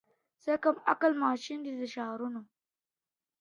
څه کم عقل ماشومان دي د ښارونو ,